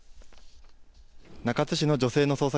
中津市の女性の捜索